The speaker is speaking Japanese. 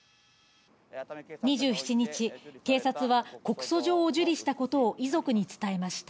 ２７日、警察は告訴状を受理したことを遺族に伝えました。